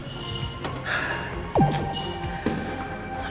nih kita mau ke sana